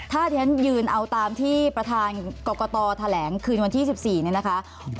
ถ้าที่ฉันยืนเอาตามที่ประธานกรกตแถลงคืนวันที่๑๔เนี่ยนะคะ